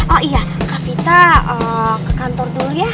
oh iya kak vita ke kantor dulu ya